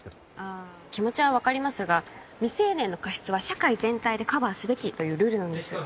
あ気持ちは分かりますが未成年の過失は社会全体でカバーすべきというルールなんです